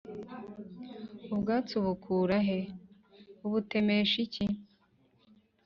ubwatsi ubukura he ? ubutemesha iki ?»